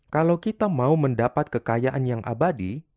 kalau kita mau mendapat kekayaan yang abadi